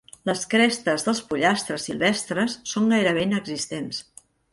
Les crestes dels pollastres silvestres són gairebé inexistents.